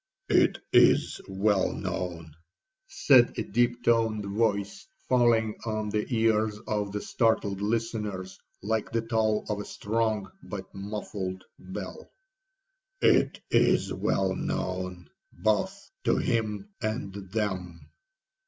'—'It is well known,' said a deep toned voice, falling on the ears of the startled listeners like the toll of a strong but muffled bell,—'it is well known both to him and them.'